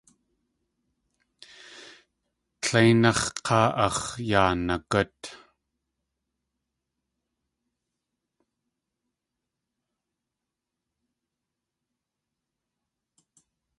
Tléináx̲ k̲áa áx̲ yaa nagút.